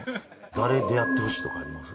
誰でやってほしいとかあります？